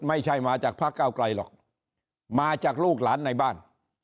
ไม่ใช่มาจากพระเก้าไกลหรอกมาจากลูกหลานในบ้าน